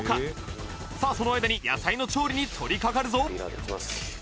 さあその間に野菜の調理に取りかかるぞ